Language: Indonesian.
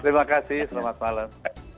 terima kasih selamat malam